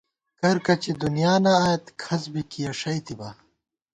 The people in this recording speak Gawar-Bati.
کرکچی دُنیانہ آئېت ،کھڅ بی کِیَہ ݭئیتِبا